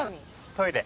トイレ。